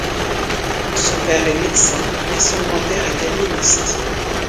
Son père est médecin et son grand-père est aliéniste.